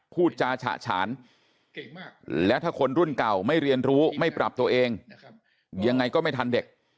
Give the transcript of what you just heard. พูดจาฉะฉานแล้วถ้าคนรุ่นเก่าไม่เรียนรู้ไม่ปรับตัวเองยังไงก็ไม่ทันเด็ก